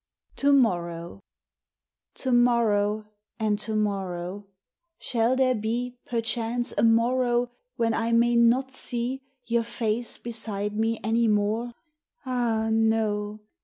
VII To Morrow To morrow and to morrow shall there be Perchance a morrow when I may not see Your face beside me any more? Ah, no!